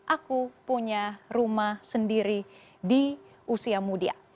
aku punya rumah sendiri di usia muda